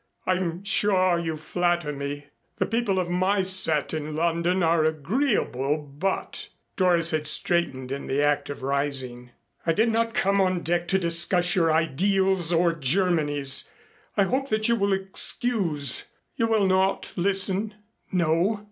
"I'm sure you flatter me. The people of my set in London are agreeable, but " Doris had straightened in the act of rising. "I did not come on deck to discuss your ideals or Germany's. I hope that you will excuse " "You will not listen?" "No.